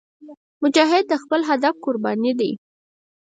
مجاهد د خپل هدف قرباني دی.